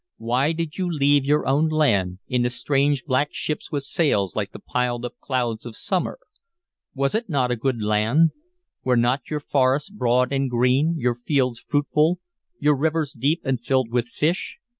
Why did you leave your own land, in the strange black ships with sails like the piled up clouds of summer? Was it not a good land? Were not your forests broad and green, your fields fruitful, your rivers deep and filled with fish?